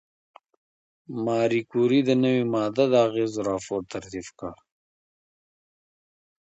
ماري کوري د نوې ماده د اغېزو راپور ترتیب کړ.